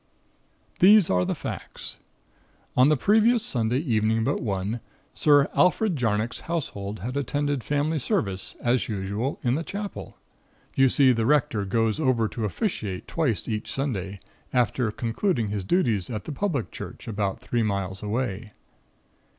"These are the facts: On the previous Sunday evening but one, Sir Alfred Jarnock's household had attended family service, as usual, in the Chapel. You see, the Rector goes over to officiate twice each Sunday, after concluding his duties at the public Church about three miles away.